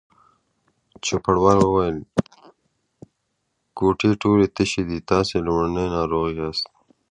چوپړوال وویل: کوټې ټولې تشې دي، تاسې لومړنی ناروغ یاست.